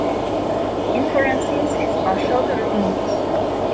Inflorescences are shorter than leaves.